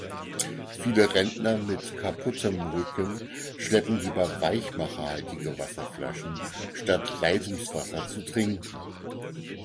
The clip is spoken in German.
Viele Rentner mit kaputtem Rücken schleppen lieber weichmacherhaltige Wasserflaschen, statt Leitungswasser zu trinken.